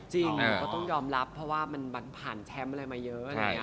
จริงก็ต้องยอมรับเพราะว่ามันผ่านแชมป์มาเยอะ